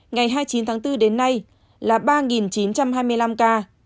ngày hai mươi chín tháng bốn đến nay là ba chín trăm hai mươi năm ca